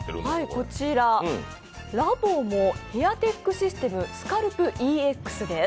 こちら、ラボモヘアテックシステムスカルプＥＸです。